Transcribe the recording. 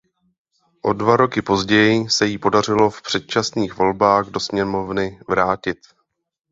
O dva roky později se jí podařilo v předčasných volbách do sněmovny vrátit.